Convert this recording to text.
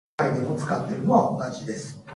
報われない世の中。